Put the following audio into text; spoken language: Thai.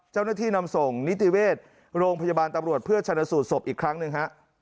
เจ้าหน้าที่นำส่งนิติเวชโรงพยาบาลตำรวจเพื่อชนะสูตรศพอีกครั้งหนึ่งฮะ